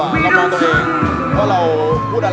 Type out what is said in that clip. แต่ว่าเกิดว่าเข้าใจผิดจริงหรอ